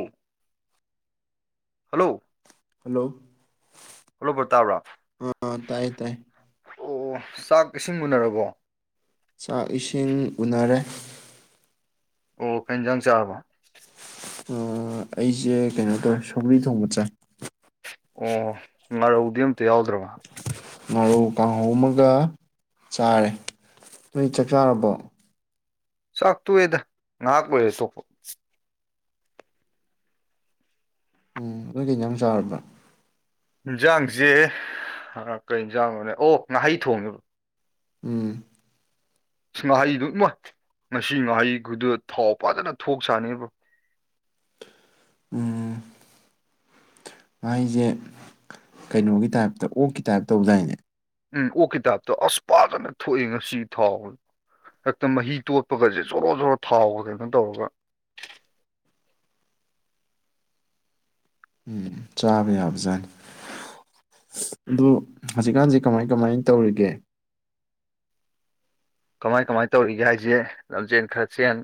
ꯎꯝ hello hello ꯑꯣꯜꯂꯞꯄ ꯇꯥꯕ꯭ꯔꯣ ꯑ ꯇꯥꯏ ꯇꯥꯏ ꯑꯣ ꯑꯣ ꯆꯥꯛ ꯏꯁꯤꯡ ꯎꯅꯔꯕꯣ ꯆꯥꯛ ꯏꯁꯤꯡ ꯎꯅꯔꯦ ꯑꯣ ꯈꯣꯏ ꯍꯟꯖꯥꯡ ꯆꯥꯕ ꯑꯩꯁꯦ ꯀꯩꯅꯣ ꯇꯧꯋꯦ ꯁꯧꯒ꯭ꯔꯤ ꯊꯣꯡꯕ ꯆꯥꯏ ꯑꯣ ꯃꯥ ꯎꯗꯇ ꯌꯥꯎꯗ꯭ꯔꯋꯥ ꯉꯨ ꯀꯥꯡꯍꯧ ꯑꯃꯒ ꯆꯥꯔꯦ ꯅꯣꯏ ꯆꯥꯛ ꯆꯥꯔꯕꯣ ꯆꯥꯛ ꯇꯨ ꯑꯦꯗꯅꯥꯀ ꯆꯣ ꯎꯝ ꯑꯗꯨꯒꯤꯩꯅ ꯌꯥꯝ ꯆꯥꯔꯕ꯭ꯔꯥ ꯏꯟꯖꯥꯡꯁꯦ ꯀ ꯏꯟꯖꯥꯡꯅꯣꯅꯦ ꯑꯣ ꯉꯥꯍꯩ ꯊꯣꯡꯉꯕ ꯎꯝ ꯃꯍꯩꯗꯨꯃꯣꯏ ꯉꯁꯤ ꯃꯍꯩ ꯈꯨꯗ ꯊꯥꯎ ꯐꯥꯖꯅ ꯊꯣꯛ ꯆꯥꯅꯦꯕꯣ ꯎꯝ ꯃꯍꯥꯏꯁꯦ ꯀꯩꯅꯣꯒꯤ ꯇꯥꯏꯞꯇ ꯑꯣꯛꯀꯤ ꯇꯥꯏꯞ ꯇꯧꯗꯥꯏꯅꯦ ꯎꯝ ꯑꯣ ꯀꯤꯇꯥꯞꯇꯣ ꯑꯁ ꯐꯥꯖꯅ ꯊꯣꯛꯑꯦ ꯉꯁꯤ ꯊꯥꯎ ꯍꯦꯛꯇ ꯃꯍꯤ ꯇꯣꯠꯄꯒꯁꯦ ꯖꯣꯔꯣ ꯖꯣꯔꯣ ꯊꯥꯎꯒ ꯀꯩꯅꯣ ꯇꯧꯔꯒ ꯎꯝ ꯆꯥꯕ ꯌꯥꯕꯖꯥꯠꯅꯤ ꯑꯗꯨ ꯍꯧꯖꯤꯛꯀꯥꯟꯁꯦ ꯀꯃꯥꯏ ꯀꯃꯥꯏꯅ ꯇꯧꯔꯤꯒꯦ ꯀꯃꯥꯏ ꯀꯃꯥꯏꯅ ꯇꯧꯔꯤꯒꯦ ꯍꯥꯏꯁꯦ ꯂꯝꯖꯦꯟ ꯈꯔ ꯆꯦꯟ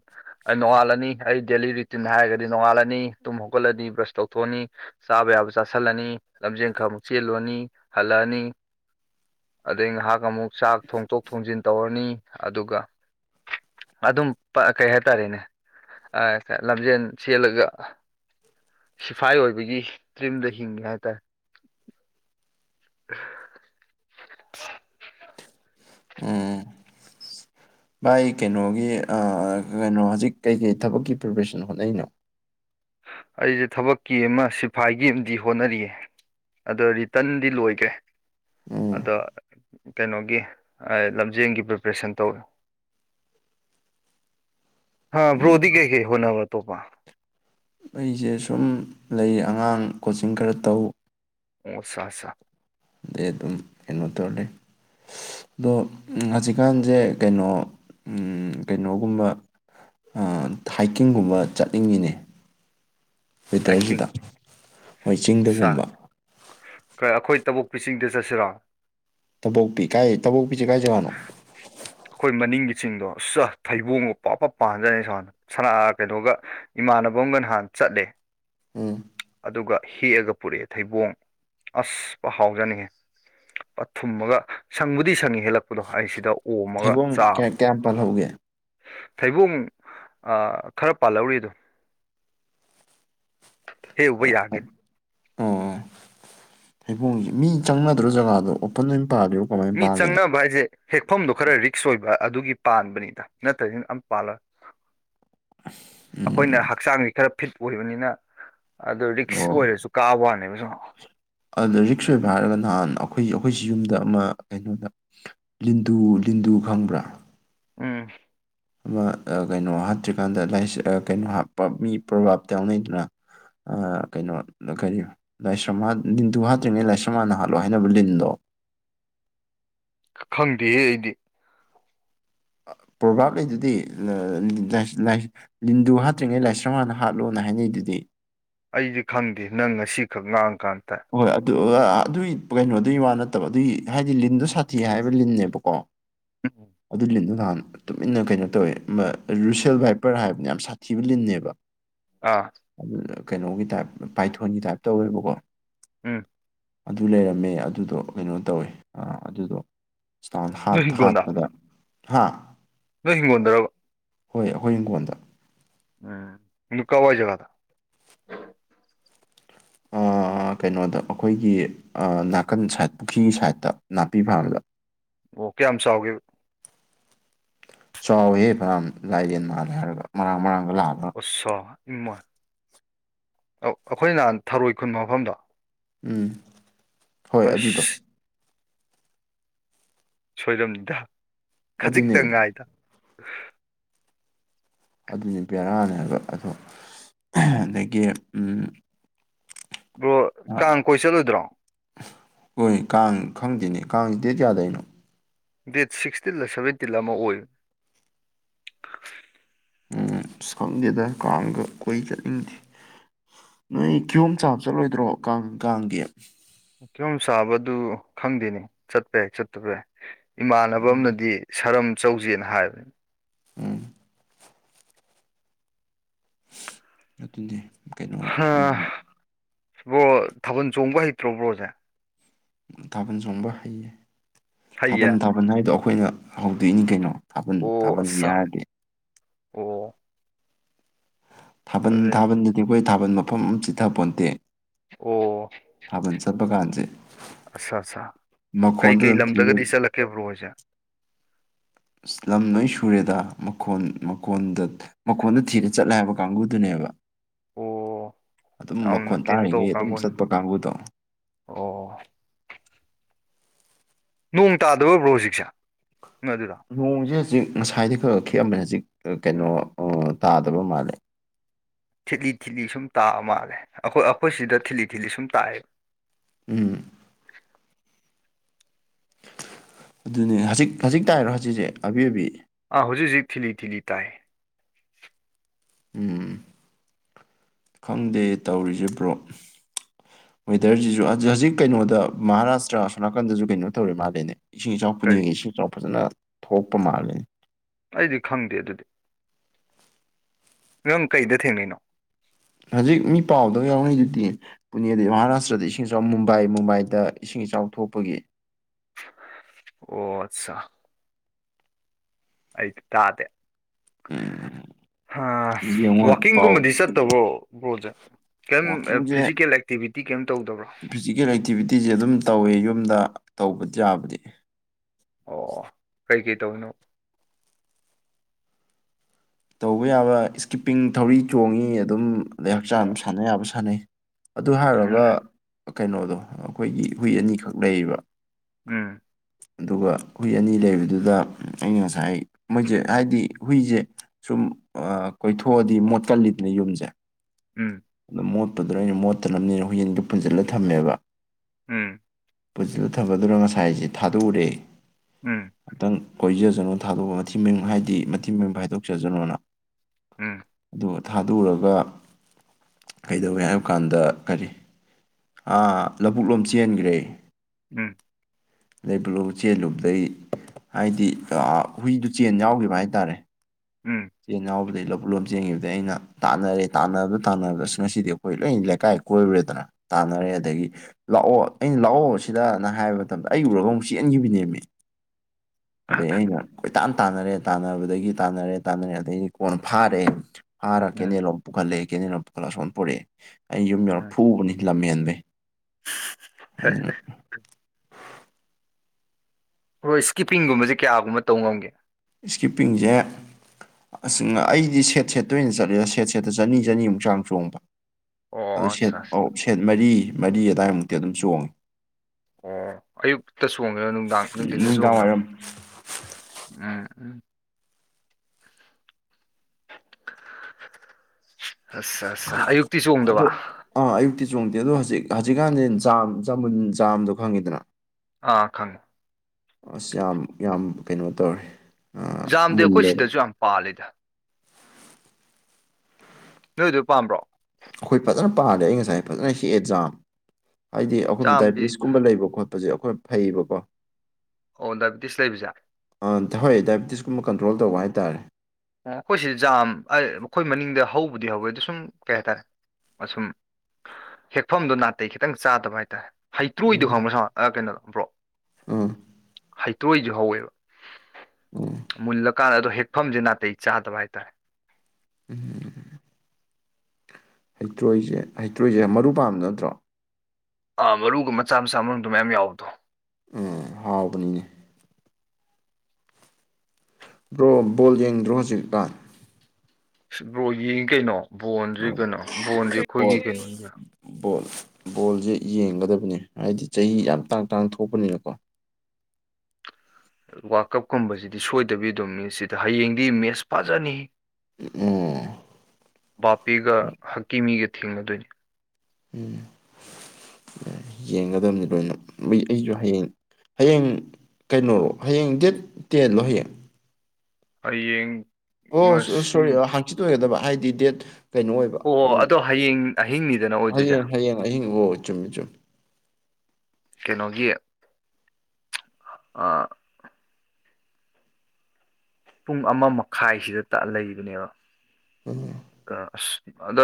ꯑꯩ ꯅꯣꯡꯉꯥꯜꯂꯅꯤ ꯑꯩ ꯗꯦꯂꯤ ꯔꯨꯇꯤꯟ ꯍꯥꯏꯔꯒꯗꯤ ꯅꯣꯡꯉꯥꯜꯂꯅꯤ ꯇꯨꯝ ꯍꯧꯒꯠꯂꯅꯤ ꯕ꯭ꯔꯁ ꯇꯧꯊꯣꯛꯑꯅꯤ ꯆꯥꯕ ꯌꯥꯕ ꯆꯥꯁꯤꯜꯂꯅꯤ ꯂꯝꯖꯦꯟ ꯈꯔ ꯑꯃꯨꯛ ꯆꯦꯜꯂꯨꯔꯅꯤ ꯍꯜꯂꯛꯑꯅꯤ ꯑꯗꯩ ꯉꯥꯏꯍꯥꯛ ꯑꯃꯨꯛ ꯆꯥꯛ ꯊꯣꯡꯆꯣꯛ ꯊꯣꯡꯖꯤꯟ ꯇꯧꯔꯅꯤ ꯑꯗꯨꯒ ꯑꯗꯨꯝ ꯀꯩ ꯍꯥꯏꯇꯥꯔꯦꯅꯦ ꯂꯝꯖꯦꯜ ꯆꯦꯜꯂꯒ ꯁꯤꯐꯥꯏ ꯑꯣꯏꯕꯒꯤ ꯇ꯭ꯔꯤꯝꯗ ꯍꯤꯡꯉꯦ ꯍꯥꯏꯇꯥꯔꯦ [unintelligible] ꯎꯝ ꯚꯥꯏ ꯀꯩꯅꯣꯒꯤ ꯀꯩꯅꯣ ꯍꯧꯖꯤꯛ ꯀꯩꯀꯩ ꯊꯕꯛꯀꯤ ꯄ꯭ꯔꯤꯄꯔꯦꯁꯟ ꯍꯣꯠꯅꯩꯅꯣ ꯑꯩꯁꯦ ꯊꯕꯛꯀꯤ ꯑꯃ ꯁꯤꯐꯥꯏꯒꯤ ꯑꯃꯗꯤꯗꯤ ꯍꯣꯠꯅꯔꯤꯌꯦ ꯑꯗꯣ ꯔꯤꯇꯟꯗꯤ ꯂꯣꯏꯈ꯭ꯔꯦ ꯎꯝ ꯑꯗꯣ ꯀꯩꯅꯣꯒꯤ ꯂꯝꯖꯦꯟꯒꯤ ꯄ꯭ꯔꯤꯄꯦꯔꯦꯁꯟ ꯇꯧꯋꯤ ꯎꯝ ꯍꯥꯥ ꯭ꯔꯣꯗꯤ ꯀꯩ ꯀꯩ ꯍꯅ ꯋꯥ ꯇꯣꯄꯥ ꯑꯩꯁꯦ ꯁꯨꯝ ꯂꯩ ꯑꯉꯥꯡ ꯀꯣꯆꯤꯡ ꯈꯔ ꯇꯧ ꯑꯣ ꯁꯥꯁ ꯑꯗꯩ ꯑꯗꯨꯝ ꯀꯩꯅꯣ ꯇꯧꯔꯂꯦ ꯑꯗꯣ ꯍꯧꯖꯤꯛꯀꯥꯟꯁꯦ ꯀꯩꯅꯣ ꯀꯩꯅꯣꯒꯨꯝꯕ ꯍꯥꯏꯀꯤꯡꯒꯨꯝꯕ ꯆꯠꯅꯤꯡꯉꯤꯅꯦ ꯍꯥꯏꯀꯤꯡ ꯋꯤꯟꯇꯔꯁꯤꯗ ꯃꯣꯏ ꯆꯤꯡꯗꯒꯨꯝꯕ꯫ ꯑꯈꯣꯏ ꯇꯕꯣꯛꯄꯤ ꯆꯤꯡꯗ ꯆꯠꯁꯤꯔꯣ꯫ ꯇꯕꯣꯛꯄꯤ ꯀꯥꯏ ꯇꯕꯣꯛꯄꯤꯁꯦ ꯀꯥꯏ ꯖꯒꯅꯣ꯫ ꯑꯈꯣꯏ ꯃꯅꯤꯡꯒꯤ ꯆꯤꯡꯗꯣ ꯑꯁ ꯊꯩꯕꯣꯡꯒ ꯄꯥꯛ ꯄꯥꯛ ꯄꯥꯟꯖꯠꯅꯤ ꯈꯪꯉꯕ ꯁꯅꯥ ꯀꯩꯅꯣꯒ ꯏꯃꯥꯟꯅꯕ ꯑꯃꯒ ꯅꯍꯥꯟ ꯆꯠꯂꯦ꯫ ꯎꯝ ꯑꯗꯨꯒ ꯍꯦꯛꯑꯒ ꯄꯨꯔꯛꯑꯦ ꯊꯩꯕꯣꯡ ꯑꯁ ꯍꯥꯎꯖꯥꯠꯅꯤꯡꯍ‌ꯦ꯫ ꯄꯠ ꯊꯨꯝꯃꯒ ꯁꯪꯕꯨꯗꯤ ꯁꯪꯉꯤ ꯍ‌ꯦꯂꯛꯄꯗꯣꯁꯤꯗ꯫ ꯑꯣꯝꯃꯒ ꯊꯩꯕꯣꯡ ꯆꯥꯕ꯫ ꯀꯌꯥ ꯀꯌꯥꯝ ꯄꯥꯜꯍꯧꯒꯦ ꯊꯩꯕꯣꯡ ꯈꯔ ꯄꯥꯜꯍꯧꯔꯤꯗ꯫ ꯍ‌ꯦꯛ ꯎꯕ ꯌꯥꯒꯤꯅꯤ ꯑꯣ ꯊꯩꯕꯣꯒꯤ ꯃꯤ ꯆꯪꯅꯗ꯭ꯔ ꯖꯒꯥꯗꯣ ꯑꯣꯄꯟ ꯂꯣꯏꯅ ꯄꯥꯂꯤꯔꯣ ꯃꯤ ꯆꯪꯅꯕ ꯍꯥꯏꯖꯦ ꯍꯦꯛꯐꯝꯗꯣ ꯈꯔ ꯔꯤꯛꯁ ꯑꯣꯏꯕ ꯑꯗꯨꯒꯤ ꯄꯥꯟꯕꯅꯤꯗ ꯅꯠꯇ꯭ꯔꯗꯤ ꯑꯝ ꯄꯥꯜꯂꯔꯣꯢ ꯎꯝ ꯑꯩꯈꯣꯏꯅ ꯍꯛꯆꯥꯡꯁꯤ ꯈꯔ ꯐꯤꯠ ꯑꯣꯏꯕꯅꯤꯅ ꯑꯗꯨ ꯔꯤꯛꯁ ꯑꯣ ꯑꯣꯏꯔꯁꯨ ꯀꯥꯕ ꯋꯥꯅꯦꯕ ꯁꯨꯝ ꯑꯗꯨꯗ ꯔꯤꯛꯁ ꯑꯣꯏꯕ ꯍꯥꯏꯔꯒ ꯅꯍꯥꯟ ꯑꯩꯈꯣꯏ ꯑꯩꯈꯣꯏꯁꯤ ꯌꯨꯝꯗ ꯑꯃ ꯀꯩꯅꯣꯗ ꯂꯤꯟꯗꯨ ꯂꯤꯟꯗꯨ ꯈꯪꯕ꯭ꯔꯥ ꯎꯝ ꯑꯃ ꯀꯩꯅꯣ ꯍꯥꯞꯇ꯭ꯔꯤꯀꯥꯟꯗꯥ ꯀꯩꯅꯣ ꯍꯥꯠꯄ ꯃꯤ ꯄ꯭ꯔꯣꯕꯥꯥꯞꯇ ꯌꯥꯎꯅꯩꯗꯅ ꯀꯩꯅꯣ ꯅ ꯀꯔꯤ ꯂꯥꯏꯁ꯭ꯔꯝ ꯍꯠ ꯂꯤꯟꯗꯨ ꯍꯥꯠꯇ꯭ꯔꯤꯉꯩ ꯂꯥꯏꯁ꯭ꯔꯝ ꯍꯥꯠꯂꯣ ꯍꯥꯏꯅꯕ ꯂꯤꯟꯗꯣ꯫ ꯈꯪꯗꯦꯍꯦ ꯑꯩꯗꯤ꯫ ꯄ꯭ꯔꯣꯕꯥꯞ ꯂꯩꯗꯨꯗꯤ꯫ ꯂꯤꯟꯗꯨ ꯍꯥꯠꯇ꯭ꯔꯤꯉꯩ ꯂꯥꯏꯁ꯭ꯔꯝ ꯍꯥꯟꯅ ꯍꯥꯠꯂꯨ ꯍꯥꯏꯅꯩꯗꯨꯗꯤ ꯑꯩꯗꯤ ꯈꯪꯗꯦ ꯅꯪ ꯉꯁꯤꯈꯛ ꯉꯥꯡꯉꯀꯥꯟ ꯇꯥꯏ꯫ ꯍꯣꯏ ꯑꯗꯨ ꯑꯗꯨꯒꯤ ꯀꯩꯅꯣꯗꯨꯒꯤ ꯋꯥ ꯅꯠꯇꯕ ꯑꯗꯨꯏ ꯍꯥꯏꯗꯤ ꯂꯤꯟꯗꯣ ꯁꯥꯊꯤ ꯍꯥꯏꯕ ꯂꯤꯟꯅꯦꯕꯀꯣ꯫ ꯑꯗꯨ ꯂꯤꯟꯗꯨ ꯅꯥꯍꯟ꯫ ꯇꯨꯃꯤꯟꯅ ꯀꯩꯅꯣ ꯇꯧꯋꯦ ꯔꯨꯁꯦꯜ ꯚꯥꯏꯄꯔ ꯍꯥꯏꯕꯅꯦ ꯌꯥꯝ ꯁꯥꯊꯤꯕ ꯂꯤꯟꯅꯦꯕ꯫ ꯑꯥ꯫ ꯀꯩꯅꯣꯒꯤ ꯇꯥꯏꯞ ꯄꯥꯏꯊꯣꯟꯒꯤ ꯇꯥꯏꯞ ꯇꯧꯋꯦꯕꯀꯣ꯫ ꯎꯝ꯫ ꯑꯗꯨ ꯂꯩꯔꯝꯃꯦ ꯑꯗꯨꯗꯣ ꯀꯩꯅꯣ ꯇꯧꯔ‌ꯦ ꯑꯗꯨꯗꯣ꯫ ꯁꯥꯟ [inaudible] ꯅꯣꯏ ꯍꯥꯊ ꯍꯤꯡꯒꯣꯟꯗ ꯍꯥꯗ ꯍꯥ꯫ ꯅꯣꯏ ꯍꯤꯡꯒꯣꯟꯗꯔꫭꯕ꯫ ꯍꯣꯏ ꯑꯈꯣꯏ ꯍꯤꯡꯒꯣꯜꯗ꯫ ꯎꯝ ꯀꯥꯢꯋꯥꯏ ꯖꯒꯥꯗ꯫ ꯑꯣ ꯀꯩꯅꯣꯗ ꯑꯈꯣꯏꯒꯤ ꯅꯥꯀꯟ ꯁꯥꯏꯠ ꯄꯨꯈ꯭ꯔꯤ ꯁꯥꯏꯠꯇ ꯅꯥꯄꯤ ꯐꯥꯟꯕꯗ꯫ ꯑꯣ ꯀꯌꯥꯝ ꯆꯥꯎꯒꯦ꯫ ꯆꯥꯎꯍꯦ ꯐꯅꯌꯥꯝ ꯂꯥꯏꯌꯦꯟ ꯃꯥꯜꯂꯦ ꯍꯥꯏꯔꯒ ꯃꯔꯥꯡ ꯃꯔꯥꯡꯒ ꯂꯥꯡꯉꯒ꯫ ꯑꯣꯁꯥ ꯏꯃꯩ ꯑꯈꯣꯏ ꯅꯥꯍꯟ ꯊꯔꯣꯏ ꯈꯨꯟꯕ ꯃꯐꯝꯗꯣ꯫ ꯎꯝ ꯍꯣꯏ ꯑꯗꯨꯗꯣ꯫ ꯑꯁ ꯁꯣꯏꯔꯝꯅꯤꯗ ꯑꯗꯨꯅꯦ ꯈꯖꯤꯛꯇ ꯉꯥꯏꯗ꯫ ꯑꯗꯨꯅꯤ ꯕꯦꯔꯥꯅꯤ ꯍꯥꯏꯕ ꯑꯗꯣ ꯑꯗꯒꯤ꯫ ꯕ꯭ꯔꯣ ꯀꯥꯡ ꯀꯣꯏ ꯆꯠꯂꫭꯏꯗ꯭ꯔꯣ꯫ ꯍꯣꯏ ꯀꯥꯡ ꯈꯪꯗꯦꯅꯦ ꯀꯥꯡ ꯗꯦꯠ ꯀꯌꯥꯗꯩꯅꯣ꯫ ꯗꯦꯠ ꯁꯤꯛꯁꯇꯤꯟꯗ ꯁꯕꯦꯟꯇꯤꯟ ꯑꯃ ꯑꯣꯏꯕꯅꯤ꯫ ꯎꯝ ꯈꯪꯗꯦꯗ ꯀꯥꯡꯒ ꯀꯣꯏ ꯆꯠꯅꯤꯡꯗꯦ꯫ ꯅꯣꯏ ꯒꯤꯍꫭꯝ ꯆꯥꯕ ꯆꯠꯂꯣꯏꯗ꯭ꯔꯣ ꯀꯥꯡ ꯀꯥꯡꯒꯤ꯫ ꯀꯤꯌꯣꯝ ꯆꯥꯕꯗꯨ ꯈꯪꯗꯦꯅ‌ꯦ ꯆꯠꯄ ꯌꯥꯏ ꯆꯠꯇꯕ ꯌꯥꯏ꯫ ꯏꯃꯥꯟꯅꯕ ꯎꯝ ꯑꯃꯅꯗꯤ ꯁꯔꯝ ꯆꯧꯖꯦꯅ ꯍꯥꯏꯕꯅꯤ ꯎꯝ ꯑꯗꯨꯗꯤ ꯁꯤ ꯕ꯭ꯔꯣ ꯊꯥꯕꯜ ꯆꯣꯡꯕ ꯍꯩꯇ꯭ꯔꯣꯕ꯭ꯔꯣꯁꯦ ꯊꯥꯕꯜ ꯆꯣꯡꯕ ꯍꯩꯌꯦ ꯊꯥꯕꯜ ꯍꯩꯌꯦ ꯊꯥꯕꯜ ꯍꯥꯏꯗꯣ ꯑꯩꯈꯣꯏꯅ ꯍꯧꯗꯣꯛꯏꯅꯤ ꯀꯩꯅꯣ ꯊꯥꯕꯜ ꯑꯣ ꯊꯥꯕꯜꯒꯤ ꯑꯁꯥ ꯍꯥꯏꯔꯗꯤ ꯑꯣ ꯊꯥꯕꯜ ꯑꯗꯨꯗꯩ ꯊꯥꯕꯜꯗꯗꯤ ꯑꯩꯈꯣꯏ ꯊꯥꯕꯜ ꯃꯐꯝ ꯑꯃ ꯆꯤꯊꯄꯣꯟꯇꯦ ꯑꯣ ꯊꯥꯕꯜ ꯆꯠꯄ ꯀꯥꯟꯁꯦ ꯑꯠꯁ ꯑꯠꯁꯥ ꯃꯈꯣꯟꯗ ꯀꯩꯀꯩ ꯑꯗꯨꯝ ꯊꯤꯔ ꯂꯝꯗꯒꯗꯤ ꯆꯠꯂꯛꯀꯦꯕ꯭ꯔꯣ ꯑꯩꯣꯏꯁꯦ ꯂꯝ ꯂꯣꯏ ꯁꯨꯔꯦꯗ ꯃꯈꯣꯟ ꯃꯈꯣꯟꯗ ꯃꯈꯣꯟꯗ ꯊꯤꯔ ꯆꯠꯂꯦ ꯍꯥꯏꯕ ꯀꯥꯡꯕꯨꯗꯨꯅꯦꯕ꯫ ꯑꯣ ꯑꯗꯨꯝ ꯌꯥꯝꯅ ꯃꯈꯣꯟ ꯀꯩꯅꯣ ꯇꯧꯕ ꯇꯥꯔꯤꯈꯩ ꯑꯗꯨꯝ ꯀꯥꯡꯕꯨꯅꯤ ꯆꯠꯄ ꯀꯥꯡꯕꯨꯗꯣ꯫ ꯑꯣ꯫ ꯅꯣꯡ ꯇꯥꯗꯕ ꯕ꯭ꯔꯣ ꯍꯧꯖꯤꯛꯁꯦ ꯑꯗꯨꯗꫭ꯫ ꯅꯣꯡꯁꯦ ꯍꯧꯖꯤꯛ ꯉꯁꯥꯏꯗꯤ ꯈꯔ ꯈꯔ ꯈꯤꯛꯑꯝꯕꯅ ꯍꯧꯖꯤꯛ ꯀꯩꯅꯣ ꯎꯝ ꯇꯥꯗꯕ ꯃꯥꯜꯂꯦ꯫ ꯊꯤꯠꯂꯤ ꯊꯤꯠꯂꯤ ꯁꯨꯝ ꯇꯥꯛꯕ ꯃꯥꯜꯂꯦ ꯑꯈꯣꯏ ꯑꯈꯣꯏ ꯁꫭꯝꯗ ꯊꯤꯠꯂꯤ ꯊꯤꯠꯂꯤ ꯁꯨꯝ ꯇꯥꯛꯑꯦꯕ꯫ ꯎꯝ꯫ ꯑꯗꯨꯅꯦ ꯍꯧꯖꯤꯛ ꯍꯧꯖꯤꯛ ꯇꯥꯏꯔꯣ ꯍꯧꯖꯤꯛ ꯖꯤꯛ ꯑꯕꯤ ꯑꯕꯤ꯫ ꯑꯥ ꯍꯧꯖꯤꯛ ꯍꯧꯖꯤꯛ ꯊꯤꯂꯤ ꯊꯤꯂꯤ ꯇꯥꯏ꯫ ꯎꯝ ꯈꯪꯗꯦ ꯇꯧꯔꯤꯁꯤ ꯕ꯭ꯔꯣ꯫ ꯋꯦꯗꯔꯁꯤꯁꯨ ꯍꯧꯛ ꯍꯧꯖꯤꯛ ꯀꯩꯅꯣꯗ ꯃꯍꯥꯔꯥꯁꯇ꯭ꯔꯥ ꯁꯣꯝꯅꯥꯀꯟꯗꯁꯨ ꯀꯩꯅꯣ ꯇꯧꯔꯤ ꯃꯥꯂꯦꯅꯦ꯫ ꯏꯁꯤꯡ ꯏꯆꯥꯎ ꯀꯔꯤ ꯄꯨꯅꯤꯒꯦ ꯏꯁꯤꯡ ꯏꯆꯥꯎ ꯐꯖꯅ ꯊꯣꯛꯂꯛꯄ ꯃꯥꯜꯂꯅꯤ ꯑꯩꯗꯤ ꯈꯪꯗꯦ ꯑꯗꯨꯗꯤ ꯅꯪ ꯀꯩꯗ ꯊꯦꯡꯅꯅꯣ ꯍꯧꯖꯤꯛ ꯃꯤ ꯄꯥꯎꯕꯗ ꯌꯥꯎꯔꯤꯩꯗꯨꯗꯤ ꯄꯨꯅꯦꯗꯤ ꯃꯍꯥꯔꯥꯁꯇ꯭ꯔꯗ ꯏꯁꯤꯡ ꯏꯆꯥꯎ ꯃꯨꯝꯕꯥꯏ ꯃꯨꯝꯕꯥꯏꯗ ꯏꯁꯤꯡ ꯏꯆꯥꯎ ꯊꯣꯛꯄꯒꯤ ꯑꯣ ꯑꯠꯆꯥ ꯑꯩ ꯇꯥꯗꯦ ꯎꯝ ꯌꯦꯡꯉꯣ ꯄꯥꯎ ꯋꯥꯋꯀꯤꯡꯒꯨꯝꯕꯗꯤ ꯆꯠꯇꯕ꯭ꯔꯣ ꯕ꯭ꯔꯣꯖꯦ ꯀꯩꯝ ꯋꯥꯛꯀꯤꯡꯁꯦ ꯐꯤꯖꯤꯀꯦꯜ ꯑꯦꯛꯇꯤꯚꯤꯇꯤ ꯀꯩꯝ ꯇꯧꯗꯕ꯭ꯔꯣ ꯐꯤꯖꯤꯀꯦꯜ ꯑꯦꯛꯇꯤꯚꯇꯤꯁꯦ ꯑꯗꯨꯝ ꯇꯧꯋꯦ ꯌꯨꯝꯗ ꯇꯧꯕꯗꯤ ꯌꯥꯕꯗꯤ ꯑꯣ ꯀꯩꯀꯩ ꯇꯧꯔꯤꯅꯣ ꯇꯧꯕ ꯌꯥꯕ ꯏꯁꯀꯤꯞꯄꯤꯡ ꯊꯧꯔꯤ ꯆꯣꯡꯉꯤ ꯑꯗꯨꯝ ꯑꯩ ꯍꯛꯆꯥꯡ ꯑꯣ ꯁꯥꯟꯅ ꯌꯥꯕ ꯁꯥꯟꯅꯩ ꯑꯗꯨ ꯍꯥꯏꯔꯒ ꯀꯩꯅꯣꯗꯣ ꯑꯩꯈꯣꯏꯒꯤ ꯍꯨꯏ ꯑꯅꯤꯈꯛ ꯂꯩꯌꯦꯕ ꯎꯝ ꯑꯗꯨꯒ ꯍꯨꯏ ꯑꯅꯤ ꯂꯩꯕꯗꯨꯗ ꯑꯩꯅ ꯉꯁꯥꯏ ꯃꯣꯏꯁꯦ ꯍꯥꯏꯗꯤ ꯍꯨꯏꯁꯦ ꯁꯨꯝ ꯀꯣꯏꯊꯣꯛꯑꯗꯤ ꯃꯣꯠꯀꯜꯂꯤꯗꯅ ꯌꯨꯝꯁꯦ ꯎꯝ ꯑꯗꯨ ꯃꯣꯠꯄꯗꯨꯅ ꯑꯩꯅ ꯃꯣꯠꯇꯠꯅꯕꯅꯦꯅ ꯍꯨꯏꯟꯗꯨ ꯄꯨꯟꯁꯤꯜꯂ ꯊꯝꯃꯦꯕ ꯎꯝ ꯄꯨꯟꯁꯤꯜꯂ ꯊꯕꯗꯨꯗ ꯉꯁꯥꯏꯁꯤ ꯊꯥꯗꯣꯛꯎꯔꯦ ꯎꯝ ꯇꯪ ꯀꯣꯏꯖꯖꯅꯨ ꯊꯥꯗꯣꯛꯄ ꯃꯊꯤ ꯃꯌꯨꯝ ꯍꯥꯏꯗꯤ ꯃꯊꯤ ꯃꯌꯨꯡ ꯐꯥꯏꯗꯣꯛꯆꯁꯅꯨꯅ ꯎꯝ ꯑ ꯊꯥꯗꯨꯔꯒ ꯀꯩꯗꯧꯏ ꯍꯥꯏꯕ ꯀꯥꯟꯗ ꯀꯔꯤ ꯂꯧꯕꯨꯛ ꯂꯣꯝ ꯆꯦꯟꯈ꯭ꯔꯦ ꯎꯝ ꯂꯩꯕꯂꯣ ꯆꯦꯜꯂꯨꯝꯕꯗꯒꯤꯩ ꯍꯥꯏꯗꯤ ꯍꯨꯏꯗꯨ ꯆꯦꯟ ꯌꯥꯎꯈꯤꯕ ꯍꯥꯏꯇꯥꯔꯦ ꯎꯝ ꯆꯦꯟ ꯌꯥꯎꯕꯗ ꯂꯕꯨꯨ ꯂꯣꯝ ꯆꯦꯟꯈꯤꯕꯗꯤ ꯑꯩꯅ ꯇꯥꯟꯅꯔꯦ ꯇꯥꯟꯅꯕꯗ ꯇꯥꯟꯅꯕꯗꯁꯨ ꯉꯁꯤꯗꯤ ꯍꯣꯏ ꯂꯣꯏ ꯂꯩꯀꯥꯏ ꯀꯣꯏꯔꯨꯔꯦꯗꯅ ꯇꯥꯟꯅꯔꯦ ꯑꯗꯒꯤ ꯂꯥꯛꯑꯣ ꯑꯩꯅ ꯂꯥꯛꯑꯣꯕꯁꯤꯗ ꯍꯥꯏꯕ ꯃꯇꯝꯗ ꯑꯩ ꯎꯔꯒ ꯑꯃꯨꯛ ꯆꯦꯟꯦꯟꯈꯤꯕꯅꯦꯃꯤ ꯑꯗꯩ ꯑꯩꯅ ꯀꯣꯏꯇꯥꯅ ꯇꯥꯟꯅꯔꯦ ꯇꯥꯟꯅꯕꯗꯒꯤ ꯇꯥꯟꯅꯔꯦ ꯇꯥꯟꯅꯔꯦ ꯑꯗꯩꯗꯤ ꯀꯣꯟꯅ ꯐꯥꯔꯦ ꯐꯥꯔꯒ ꯎꯝ ꯀꯦꯅꯦꯜ ꯑꯃ ꯄꯨꯈꯠꯂꯛꯦ ꯀꯦꯅꯦꯜ ꯑꯃ ꯄꯨꯈꯠꯂꯒ ꯁꯣꯝ ꯄꯨꯔꯛꯑꯦ ꯑꯩ ꯌꯨꯝ ꯌꯧꯔꯛ ꯎꯝ ꯐꯨꯕꯅꯤ ꯂꯝꯍꯦꯟꯕ ꯑꯗꯨ ꯍꯣꯏ ꯏꯁꯀꯤꯞꯄꯤꯡꯒꯨꯝꯕꯁꯦ ꯀꯌꯥꯒꯨꯝꯕ ꯇꯧ ꯉꯝꯒꯦ ꯏꯁꯀꯤꯞꯄꯤꯡꯁꯦ ꯑꯁ ꯑꯩꯗꯤ ꯁꯦꯠ ꯁꯦꯠꯇ ꯑꯣꯏꯅ ꯆꯠꯂꯦꯗ ꯁꯦꯠ ꯁꯦꯠꯇ ꯆꯅꯤ ꯆꯅꯤꯃꯨꯛ ꯆꯥꯡ ꯆꯣꯡꯕ ꯑꯗꯨ ꯑꯣ ꯁꯦꯠ ꯑꯠꯆꯥ ꯁꯦꯠ ꯃꯔꯤ ꯃꯔꯤ ꯑꯗꯨꯋꯥꯏꯃꯨꯛꯇꯤ ꯑꯗꯨꯝ ꯆꯣꯡꯉꯤ ꯑꯣ ꯑꯌꯨꯛꯇ ꯆꯣꯡꯒꯦꯔꯣ ꯅꯨꯡꯗꯥꯡ ꯅꯨꯡꯊꯤꯟꯗ ꯅꯨꯡꯗꯥꯡ ꯆꯣꯡꯒꯦꯔꯣ ꯋꯥꯏꯔꯝ ꯎꯝ ꯎꯝ [inaudible] ꯑꯠꯆꯥ ꯑꯠꯆꯥ ꯑꯌꯨꯛꯇꯤ ꯑꯗꯨ ꯆꯣꯡꯗꯕ ꯑꯥ ꯑꯌꯨꯛꯇꯤ ꯆꯣꯡꯗꯦ ꯑꯗꯣ ꯍꯧꯖꯤꯛ ꯍꯧꯖꯤꯛꯀꯥꯟꯗꯤ ꯆꯥ ꯆꯝꯃꯨꯟ ꯆꯥꯝꯗꯣ ꯈꯪꯉꯤꯗꯅ ꯑꯥ ꯈꯪꯉꯤ ꯑꯁ ꯌꯥꯝ ꯌꯥꯝ ꯀꯩꯅꯣ ꯇꯧꯔꯦ ꯌꯥꯝꯖꯥꯝꯗꯤ ꯑꯩꯈꯣꯏ ꯃꯨꯜꯂꯦꯕ ꯁꯤꯗꯁꯨ ꯌꯥꯝ ꯄꯥꯜꯂꯤꯗ ꯅꯣꯏꯗꯨ ꯄꯥꯝꯕ꯭ꯔꯣ ꯑꯩꯈꯣꯏ ꯐꯖꯅ ꯄꯥꯜꯜꯂꯤꯦ ꯑꯩ ꯉꯁꯥꯏ ꯐꯖꯅ ꯍꯦꯛꯑꯖꯥ ꯍꯥꯏꯗꯤ ꯑꯩꯈꯣꯏ ꯖꯥꯝꯗꯤ ꯗꯥꯏꯕꯤꯇꯤꯁꯀꯨꯝꯕ ꯂꯩꯕ ꯈꯣꯠꯄ ꯇꯁꯛ ꯑꯩꯈꯣꯏ ꯐꯩꯌꯦꯕꯀꯣ ꯑꯣꯗꯕꯤꯗꯤꯤꯁ ꯂꯩꯕꯤꯖꯥ ꯍꯣꯏ ꯗꯥꯏꯕꯦꯇꯤꯁꯀꯨꯝꯕ ꯀꯟꯇ꯭ꯔꯣꯜ ꯇꯧꯕ ꯍꯥꯏꯇꯥꯔꯦ ꯑꯣ ꯑꯩꯈꯣꯏꯁꯤꯗꯤ ꯖꯥꯝ ꯑꯩꯈꯣꯏ ꯃꯅꯤꯡꯗ ꯍꯧꯕꯗꯤ ꯍꯧꯋꯦ ꯑꯗꯣ ꯁꯨꯝ ꯀꯩ ꯍꯥꯏꯇꯥꯔꯦ ꯑꯁꯨꯝ ꯍꯦꯛꯐꯝꯗꯨꯣ ꯅꯥꯇꯩ ꯈꯤꯇꯪ ꯆꯥꯗꯕ ꯍꯥꯏꯇꯥꯔꯦ ꯍꯩꯇ꯭ꯔꯣꯏꯗꯣ ꯎꯝ ꯈꯪꯕ ꯁ ꯀꯩꯅꯣ ꯇꯕ꯭ꯔꯣ ꯎꯝ ꯍꯩꯇ꯭ꯔꯣꯏꯁꯨ ꯍꯧꯋꯦꯕ ꯎꯝ ꯃꯨꯜꯂꯀꯥꯟꯗ ꯑꯗꯣ ꯍꯦꯛꯐꯝꯁꯦ ꯅꯥꯇꯩ ꯆꯥꯗꯕ ꯍꯥꯏꯇꯥꯔꯦ ꯎꯝ ꯍꯩꯇ꯭ꯔꯣꯏꯁꯦ ꯍꯩꯇ꯭ꯔꯣꯏꯁꯦ ꯃꯔꯨ ꯄꯥꯝꯕ ꯅꯠꯇ꯭ꯔꯣ ꯑꯥ ꯃꯔꯨꯒ ꯃꯆꯥ ꯃꯆꯥ ꯃꯅꯨꯡꯗꯣ ꯃꯌꯥꯝ ꯌꯥꯎꯕꯗꯣ ꯎꯝ ꯍꯥꯎꯕꯅꯤꯅꯦ ꯕ꯭ꯔꯣ ꯕꯣꯜ ꯌꯦꯡꯗ꯭ꯔꯣ ꯍꯧꯖꯤꯛꯀꯥꯟ ꯕꯣꯒꯤ ꯀꯩꯅꯣ ꯕꯣꯟꯁꯦ ꯑꯣ ꯀꯩꯅꯣ ꯕꯣꯟꯗꯤꯦ ꯑꯩꯈꯣꯏꯒꯤ ꯕꯣꯜ ꯀꯩꯅꯣꯅꯤꯅꯦ ꯕꯣꯜ ꯕꯣꯜꯁꯦ ꯌꯦꯡꯒꯗꯕꯅꯤ ꯍꯥꯏꯗꯤ ꯆꯍꯤ ꯌꯥꯝ ꯇꯥꯡ ꯇꯥꯡ ꯊꯣꯛꯄꯅꯤꯅꯀꯣ ꯋꯥꯔꯜ ꯀꯞꯀꯨꯝꯕꯁꯤꯗꯤ ꯁꯣꯏꯗꯕꯤꯗꯝ ꯃꯤ ꯁꯤꯗ ꯍꯌꯦꯡꯗꯤ ꯃꯦꯠꯁ ꯐꯖꯅꯤ ꯎꯝ ꯕꯥꯄꯤꯦꯒ ꯍꯣꯏ ꯍꯀꯤꯃꯤꯒ ꯊꯦꯡꯅꯗꯣꯏꯅꯤ ꯎꯝ ꯌꯦꯡꯒꯗꯕꯅꯤ ꯂꯣꯏꯅ ꯑꯩꯁꯨ ꯍꯌꯦꯡ ꯍꯌꯦꯡ ꯀꯩꯅꯣꯔꯣ ꯍꯌꯦꯡ ꯗꯦꯠ ꯇꯦꯟꯂꯣ ꯍꯌꯦꯡ ꯍꯌꯦꯡ ꯑꯣ ꯉꯁꯤ ꯁꯣꯔꯤ ꯍꯥꯡꯆꯤꯠ ꯑꯣꯏꯒꯗꯕ ꯍꯥꯏꯗꯤ ꯗꯦꯠ ꯀꯩꯅꯣ ꯑꯣꯏꯕ ꯍꯣ ꯍꯣ ꯄꯨꯡ ꯑꯗꯣ ꯍꯌꯦꯡ ꯑꯍꯤꯡꯅꯤꯗꯅ ꯑꯣꯏꯗꯣꯏꯁꯦ ꯍꯌꯦꯡ ꯍꯌꯦꯡ ꯑꯍꯤꯡ ꯑꯣ ꯆꯨꯝꯃꯤ ꯆꯨꯝꯃꯤ ꯀꯩꯅꯣꯒꯤ ꯑ ꯄꯨꯡ ꯑꯃ ꯃꯈꯥꯏꯁꯤꯗ ꯇ ꯂꯩꯕꯅꯦꯕ ꯎꯝ ꯑ ꯑꯁ ꯑꯗꯣ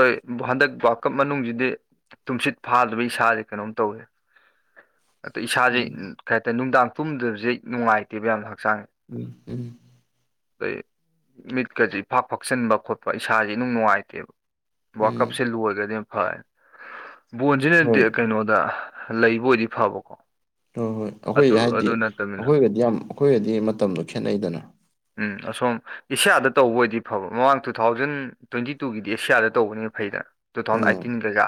ꯍꯟꯗꯛ ꯚꯀꯞ ꯃꯅꯨꯡꯁꯤꯗꯤ ꯇꯨꯝꯁꯤꯠ ꯐꯥꯗꯕ ꯏꯁꯥꯁꯦ ꯀꯩꯅꯣꯝ ꯇꯧꯋꯦ ꯑꯗꯣ ꯏꯁꯥꯁꯦ ꯎꯝ ꯀꯩ ꯍꯥꯏꯇꯥꯔꯦ ꯅꯨꯡꯗꯥꯡ ꯇꯨꯝꯗꯕꯁꯦ ꯅꯨꯡꯉꯥꯏꯇꯦꯕ ꯌꯥꯝꯅ ꯍꯛꯆꯥꯡꯁꯦ ꯎꯝ ꯎꯝ ꯑꯩ ꯃꯤꯠꯀꯁꯤ ꯏꯐꯥꯛ ꯐꯥꯛꯆꯟꯕ ꯈꯣꯠꯄ ꯏꯁꯥꯥꯁ ꯅꯨꯡ ꯅꯨꯡꯉꯥꯏꯇꯦꯕ ꯋꯥ ꯎꯝ ꯀꯞꯁ ꯂꯨ ꯑꯣꯏꯒꯗꯤ ꯐꯔ ꯕꯣꯟꯁꯤꯅꯗꯤ ꯍꯣꯏ ꯀꯩꯅꯣꯗ ꯂꯩꯕ ꯑꯣꯏꯗꯤ ꯐꯕꯀꯣ꯫ ꯍꯣꯏ ꯍꯣꯏ ꯑꯗꯨ ꯑꯩꯈꯣꯏ ꯍꯥꯏꯗꯤ ꯑꯗꯨ ꯅꯠꯇꯕꯅꯤꯅ ꯑꯩꯈꯣꯏꯒꯗꯤ ꯌꯥꯝ ꯑꯩꯈꯣꯏꯒꯗꯤ ꯃꯇꯝꯗꯣ ꯈꯦꯠꯅꯩꯗꯅ꯫ ꯎꯝ ꯑꯁꯣꯝ ꯏꯁꯌꯥꯗ ꯇꯧꯕ ꯑꯣꯏꯗꯤ ꯐꯕ ꯃꯃꯥꯡ ꯇꯨ ꯊꯥꯎꯖꯟ ꯇ꯭ꯋꯦꯟꯇꯤ ꯇꯨꯒꯤꯗꯤ ꯑꯦꯁꯤꯌꯥꯗ ꯇꯧꯕꯅꯦꯅ ꯐꯩꯗꯅ ꯇꯨ ꯊꯥꯎꯖꯟ ꯎꯝ ꯑꯥꯏꯇꯤꯟ ꯀꯩꯀ꯫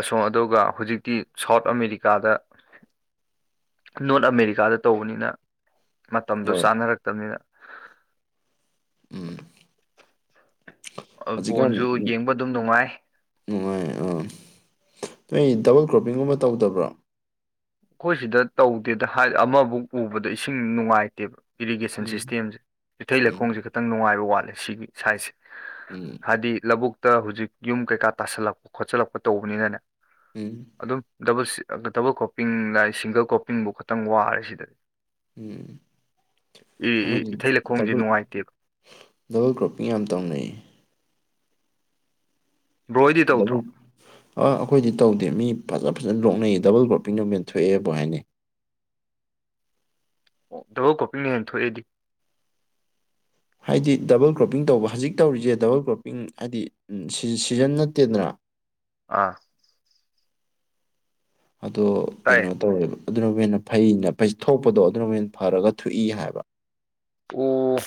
ꯑꯁꯣꯝ ꯑꯗꯨꯒ ꯍꯧꯖꯤꯛꯇꯤ ꯁꯥꯎꯠ ꯑꯃꯦꯔꯤꯀꯥꯗ ꯅꯣꯔꯠ ꯑꯃꯦꯔꯤꯀꯥꯗ ꯇꯧꯕꯅꯤꯅ ꯃꯇꯝꯗꯣ ꯍꯣꯏ ꯆꯥꯅꯔꯛꯇꯕꯅꯤꯝꯅ꯫ ꯎꯝ꯫ ꯑ ꯕꯣꯜꯁꯨ ꯍꯧꯖꯤꯛꯀꯥꯟ ꯌꯦꯡꯕ ꯑꯗꯨꯝ ꯅꯨꯡꯉꯥꯏ꯫ ꯅꯨꯡꯉꯥꯏ ꯑꯥ ꯅꯣꯏ ꯗꯕꯜ ꯀ꯭ꯔꯣꯞꯄꯤꯡꯒꯨꯝꯕ ꯇꯧꯗꯕ꯭ꯔꯣ꯫ ꯑꯩꯈꯣꯏ ꯁꯤꯗ ꯇꯧꯗꯦꯗ ꯍꯥꯏ ꯑꯃꯕꯨꯛ ꯄꯨꯕꯗ ꯏꯁꯤꯡ ꯅꯨꯡꯉꯥꯏꯇꯦꯕ꯫ ꯏꯔꯤꯒꯦꯁꯟ ꯎꯝ ꯁꯤꯁꯇꯦꯝꯁꯦ ꯏꯊꯩ ꯎꯝ ꯂꯩꯈꯣꯡꯁꯦ ꯈꯤꯇꯪ ꯅꯨꯡꯉꯥꯏꯕ ꯋꯥꯠꯂꯦ ꯁꯤꯒꯤ ꯁꯥꯏꯖꯁꯦ꯫ ꯎꯝ꫰꫰ ꯍꯥꯏꯗꯤ ꯂꯧꯕꯨꯛꯇ ꯍꯧꯖꯤꯛ ꯌꯨꯝ ꯀꯩꯀꯥ ꯇꯥꯁꯜꯂꯛꯄ ꯈꯣꯠꯁꯤꯜꯂꯛꯄ ꯇꯧꯕꯅꯤꯅꯅꯦ꯫ ꯎꯝ ꯑꯗꯨꯝ ꯗꯕꯜ ꯗꯕꯜ ꯀꯣꯞꯄꯤꯡ ꯂ ꯁꯤꯡꯒꯜ ꯀꯣꯞꯄꯤꯡꯕꯨ ꯈꯇꯪ ꯋꯥꯔꯦ ꯁꯤꯗꯗꯤ꯫ ꯎꯝ ꯏ ꯏ ꯑꯩꯈꯣꯏꯗꯤ ꯏꯊꯩ ꯂꯧꯈꯣꯡꯁꯦ ꯗꯕꯜ ꯅꯨꯡꯉꯥꯏꯇꯦꯕ꯫ ꯗꯕꯜ ꯀ꯭ꯔꯣꯞꯄꯤꯡ ꯌꯥꯝ ꯇꯧꯅꯩ꯫ ꯕ꯭ꯔꯣ ꯍꯣꯏꯗꯤ ꯇꯧꯗ꯭ꯔꯣ ꯗꯕꯥꯜ ꯑ ꯑꯩꯈꯣꯏꯗꯤ ꯇꯧꯗꯦ ꯃꯤ ꯐꯖ ꯐꯖꯅ ꯂꯣꯛꯅꯩ ꯗꯕꯜ ꯒ꯭ꯔꯣꯄꯤꯡ ꯅꯕꯨ ꯍꯦꯟ ꯊꯣꯛꯑꯦꯅꯕꯨ ꯍꯥꯏꯅꯩ꯫ ꯑꯣ ꯗꯕꯜ ꯀꯣꯄꯤꯡꯅ ꯍꯦꯟꯅ ꯊꯣꯛꯑꯦꯗꯤ꯫ ꯍꯥꯏꯗꯤ ꯗꯕꯜ ꯀ꯭ꯔꯣꯞꯄꯤꯡ ꯇꯧꯕ ꯍꯧꯖꯤꯛ ꯇꯧꯔꯤꯁꯦ ꯗꯕꯜ ꯀ꯭ꯔꯣꯞꯄꯤꯡ ꯍꯥꯏꯗꯤ ꯁꯤꯖꯟ ꯅꯠꯇꯦꯗꯅ꯫ ꯑꯥ꯫ ꯑꯗꯣ ꯇꯥꯏꯌꯦ ꯀꯩꯅꯣ ꯇꯧꯋꯦꯕ ꯑꯗꯨꯅ ꯍꯦꯟꯅ ꯐꯩꯅ ꯊꯣꯛꯄꯗꯣ ꯑꯗꯨꯅ ꯍꯦꯅ ꯐꯔꯒ ꯊꯣꯛꯏ ꯍꯥꯏꯕ꯫ ꯑꯣ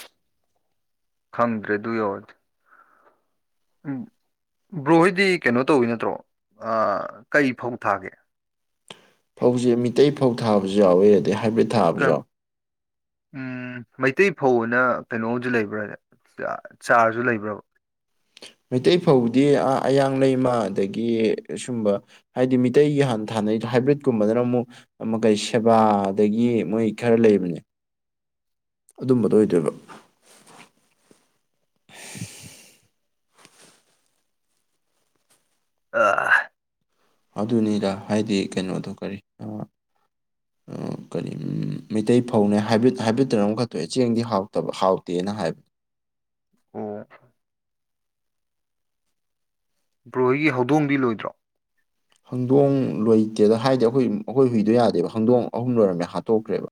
ꯈꯪꯗ꯭ꯔꯦ ꯑꯗꯨ ꯌꯧꯔꯗꯤ꯫ ꯕ꯭ꯔꯣꯍꯣꯏꯗꯤ ꯀꯩꯅꯣ ꯇꯧꯋꯤ ꯅꯠꯇ꯭ꯔꯣ ꯀꯩ ꯐꯧ ꯊꯥꯒꯦ꯫ ꯐꯧꯁꯦ ꯃꯤꯇꯩ ꯐꯧ ꯊꯥꯕꯁꯨ ꯌꯥꯎꯋꯦ ꯑꯗꯩ ꯍꯥꯏꯕꯔꯤꯠ ꯎꯝ ꯃꯩꯇꯩ ꯐꯧꯅ ꯀꯩꯅꯣ ꯑꯃꯁꯨ ꯂꯩꯕ꯭ꯔ ꯍꯥꯢꯁꯦ꯫ ꯆꯥꯔ ꯆꯥꯔꯁꯨ ꯂꯩꯕ꯭ꯔꯕ꯫ ꯃꯩꯇꯩ ꯐꯧꯗꯤ ꯑꯥ ꯑꯌꯥꯡ ꯂꯩꯃ ꯑꯗꯒꯤ ꯑꯁꯨꯝꯕ ꯍꯥꯏꯗꯤ ꯃꯤꯇꯩꯒꯤ ꯍꯥꯟꯊꯥꯅꯩ ꯍꯥꯏꯕ꯭ꯔꯤꯠꯀꯨꯝꯕꯗꯅ ꯑꯃꯨꯛ ꯑꯃ ꯀꯩ ꯁꯦꯕꯥ ꯑꯗꯒꯤ ꯃꯣꯏ ꯈꯔ ꯂꯩꯕꯅꯦ꯫ ꯑꯗꯨꯝꯕꯗꯣ ꯑꯣꯏꯗꯣꯏꯕ꯫ ꯑ꯫ ꯑꯗꯨꯅꯤꯗ ꯍꯥꯏꯗꯤ ꯀꯩꯅꯣꯗꯨ ꯀꯔꯤ ꯑꯥ ꯀꯔꯤ ꯃꯩꯇꯩ ꯐꯧꯅꯦ ꯍꯥꯏꯕ꯭ꯠ ꯍꯥꯏꯕ꯭ꯔꯤꯠꯇꯅ ꯑꯃꯈꯛꯇꯣꯛꯑꯦ ꯆꯦꯡꯗꯤ ꯍꯥꯎꯇꯕ ꯍꯥꯎꯇꯦꯅ ꯍꯥꯏꯕ꯫ ꯕ꯭ꯔꯣꯍꯣꯏꯒꯤ ꯍꯧꯗꯣꯡꯗꯤ ꯂꯣꯏꯗ꯭ꯔꯣ꯫ ꯍꯪꯗꯣꯡ ꯂꯣꯏꯇꯦꯗ ꯍꯥꯏꯗꯤ ꯑꯩꯈꯣꯏ ꯑꯩꯈꯣꯏ ꯍꯨꯏꯗꯣ ꯌꯥꯗꯦꯕ ꯍꯪꯗꯣꯡ ꯑꯍꯨꯝ ꯂꯣꯏꯔꯝꯃꯦ ꯍꯥꯠꯇꯣꯛꯇ꯭ꯔꯦꯕ꯫